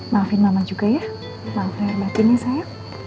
maafin mama juga ya maafin dan hormatin ya sayang